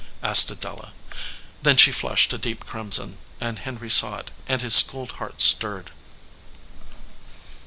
asked Adela. Then she flushed a deep crimson, and Henry saw it, and his schooled heart stirred.